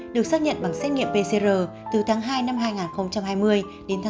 được xác nhận bằng các trường hợp tái mắc covid một mươi chín